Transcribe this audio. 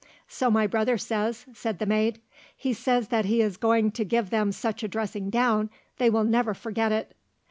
"So my brother says," said the maid; "he says that he is going to give them such a dressing down they will never forget it."